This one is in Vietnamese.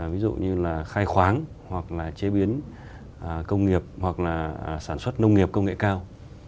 ví dụ như là khai khoáng hoặc là chế biến công nghiệp hoặc là sản xuất nông nghiệp công nghệ cao